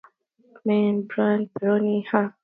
The main brands are "Peroni" and "Nastro Azzurro".